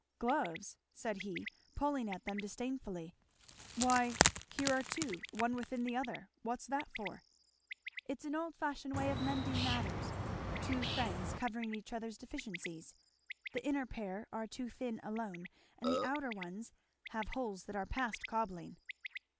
"Gloves!" said he, pulling at them disdainfully, "why here are two one within the other what's that for?" "It's an old fashioned way of mending matters, two friends covering each other's deficiencies. The inner pair are too thin alone, and the outer ones have holes that are past cobbling."